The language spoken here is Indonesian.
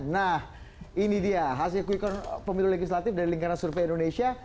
nah ini dia hasil quick count pemilu legislatif dari lingkaran survei indonesia